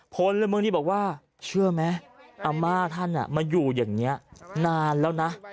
พลเมืองดีบอกว่าเชื่อไหมอาม่าท่านมาอยู่อย่างนี้นานแล้วนะ